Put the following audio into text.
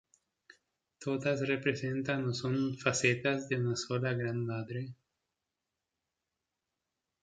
Todas representan o son facetas de una sola Gran Madre.